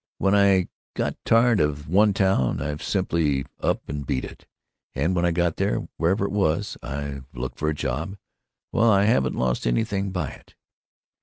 When I've got tired of one town, I've simply up and beat it, and when I got there—wherever there was—I've looked for a job. And——Well, I haven't lost anything by it."